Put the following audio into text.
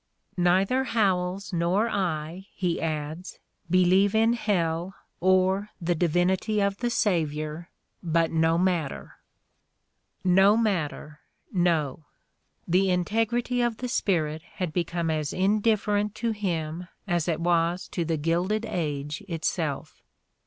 "Neither Howells nor I," he adds, "be lieve in hell or the divinity of the Savior, but no mat 126 The Ordeal of Mark Twain ter." No matter, no! The integrity of the spirit had become as indifferent to him as it was to the Gilded Age itself.